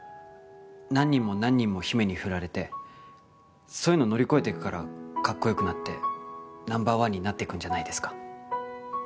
何人も何人も姫に振られてそういうの乗り越えていくからかっこよくなってナンバー１になっていくんじゃないですか？